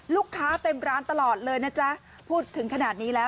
เต็มร้านตลอดเลยนะจ๊ะพูดถึงขนาดนี้แล้ว